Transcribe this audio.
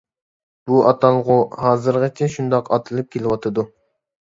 بۇ ئاتالغۇ ھازىرغىچە شۇنداق ئاتىلىپ كېلىۋاتىدۇ.